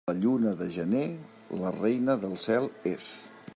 La lluna de gener, la reina del cel és.